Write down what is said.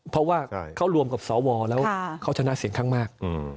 เพราะว่าเขารวมกับสวแล้วเขาชนะเสียงข้างมาก